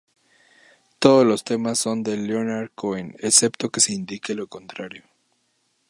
Todos los temas son de Leonard Cohen, excepto que se indique lo contrario.